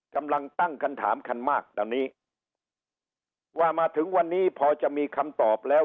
กำลังตั้งคำถามคันมากตอนนี้ว่ามาถึงวันนี้พอจะมีคำตอบแล้ว